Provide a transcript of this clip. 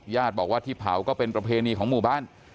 ญาติบอกว่าที่เผาก็เป็นประเพณีของหมู่บ้าน